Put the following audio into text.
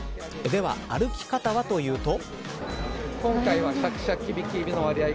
では、歩き方はというと。